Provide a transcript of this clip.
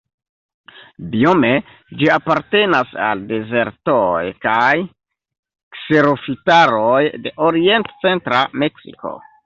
Biome ĝi apartenas al dezertoj kaj kserofitaroj de orient-centra Meksiko.